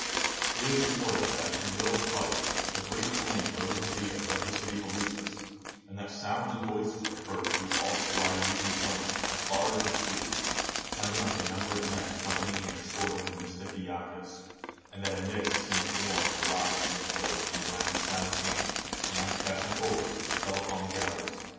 It is reported that, in the middle of the fight, a great flame rose into the air above the city of Eleusis, and that sounds and voices were heard through all the Thriasian 119 GREECE plain, as far as the sea, sounding like a number of men accompanying and escorting the mystic lacchus, and that a mist seemed to form and rise from the place from whence the sounds came, and, passing forward, fell upon the galleys.